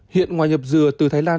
hiện ngoài nhập dừa từ thái lan vậy